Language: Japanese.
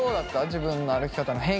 自分の歩き方の変化。